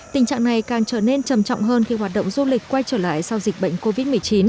tình trạng này càng trở nên trầm trọng hơn khi hoạt động du lịch quay trở lại sau dịch bệnh covid một mươi chín